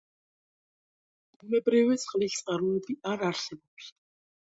ბუნებრივი წყლის წყაროები არ არსებობს.